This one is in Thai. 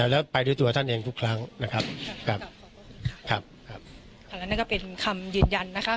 แล้วไปด้วยตัวท่านเองทุกครั้งนะครับครับครับอันนั้นก็เป็นคำยืนยันนะคะ